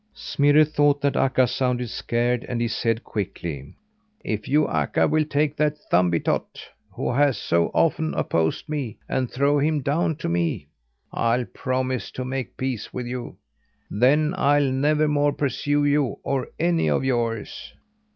Smirre thought that Akka sounded scared, and he said quickly: "If you, Akka, will take that Thumbietot who has so often opposed me and throw him down to me, I'll promise to make peace with you. Then I'll never more pursue you or any of yours."